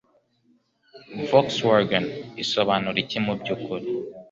Volkswagen isobanura iki mubyukuri